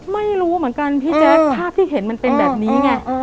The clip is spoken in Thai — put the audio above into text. ไม่รู้เหมือนกันพี่แจ๊คภาพที่เห็นมันเป็นแบบนี้ไง